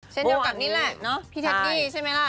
เช่นเดียวกับนี่แหละพี่เทดดี้ใช่ไหมล่ะ